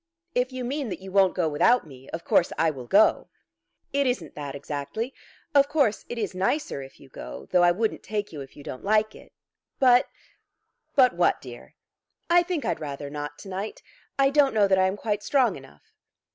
"If you mean that you won't go without me, of course I will go." "It isn't that exactly. Of course it is nicer if you go; though I wouldn't take you if you don't like it. But " "But what, dear?" "I think I'd rather not to night. I don't know that I am quite strong enough."